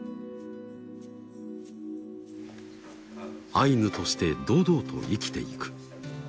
アイヌとして堂々と生きていく。